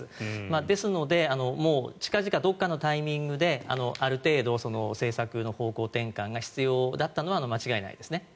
ですので、もう近々どこかのタイミングである程度、政策の方向転換が必要だったのは間違いないですね。